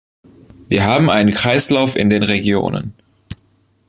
Wir haben einen Kreislauf in den Regionen.